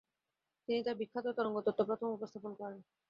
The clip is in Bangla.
তিনি তার বিখ্যাত তরঙ্গতত্ত্ব প্রথম উপস্থাপন করেন।